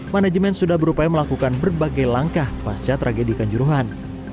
manajemen sudah berupaya melakukan berbagai langkah pasca tragedikan juruhan